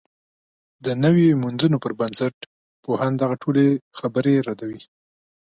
د نویو موندنو پر بنسټ، پوهان دغه ټولې خبرې ردوي